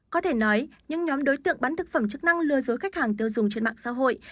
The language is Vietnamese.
có thể nói những nhóm đối tượng bán thực phẩm chức năng lừa dối khách hàng tiêu dùng trên mạng xã hội